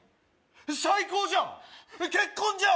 最高じゃん結婚じゃん！